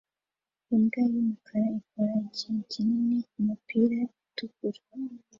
Imbwa yumukara ikora ikintu kinini kumupira utukura